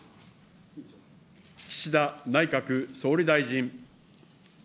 岸田内閣総理大臣。